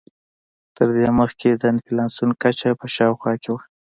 تر دې مخکې د انفلاسیون کچه په شاوخوا کې وه.